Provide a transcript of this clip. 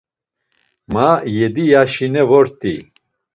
Ma, yedi, yaşine vort̆i.